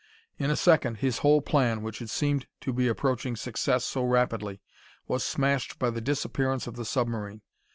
In a second, his whole plan, which had seemed to be approaching success so rapidly, was smashed by the disappearance of the submarine.